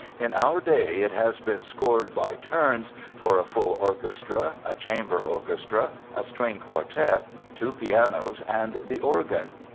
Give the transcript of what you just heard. In our day it has been scored by turns for a full orchestra, a chamber orchestra, a string quartet, two pianos, and the organ.